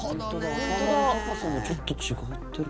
「本当だ頭の高さもちょっと違ってる」